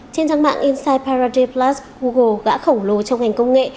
trên trang mạng inside paradise plus google gã khổng lồ trong ngành công nghệ